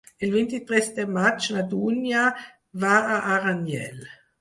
El vint-i-tres de maig na Dúnia va a Aranyel.